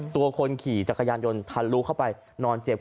คนขี่จักรยานยนต์ทะลุเข้าไปนอนเจ็บ